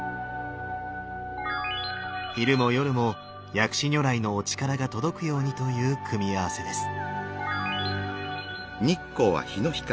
昼も夜も薬師如来のお力が届くようにという組み合わせです。